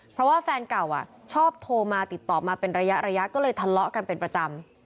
เพราะว่าแฟนเก่าชอบโทรมาติดต่อมาเป็นระยะก็เลยทะเลาะกันเป็นประจำ